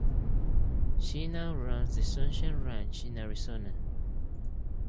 She now runs the Sunshine Ranch in Arizona.